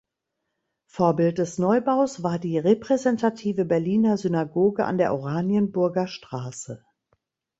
Vorbild des Neubaus war die repräsentative Berliner Synagoge an der "Oranienburger Straße".